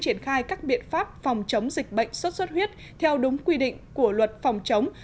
triển khai các biện pháp phòng chống dịch bệnh sốt xuất huyết theo đúng quy định của luật phòng chống